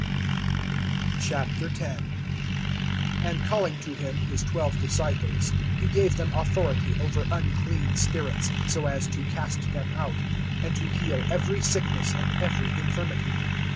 X. AND calling to him his twelve disciples, he gave them authority over unclean spirits, so as to cast them out, and to heal every sickness and every infirmity.